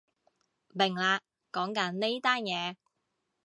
明喇，講緊呢單嘢